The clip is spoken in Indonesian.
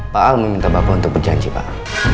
pak al meminta bapak untuk berjanji pak